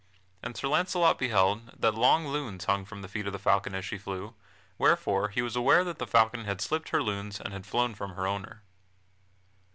And Sir Launcelot beheld that long lunes hung from the feet of the falcon as she flew, wherefore he was aware that the falcon had slipped her lunes and had flown from her owner.